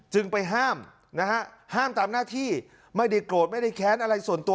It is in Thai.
ไปห้ามนะฮะห้ามตามหน้าที่ไม่ได้โกรธไม่ได้แค้นอะไรส่วนตัว